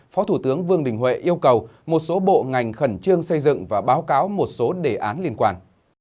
phó thủ tướng vương đình huệ yêu cầu một số bộ ngành khẩn trương xây dựng và báo cáo một số đề án liên quan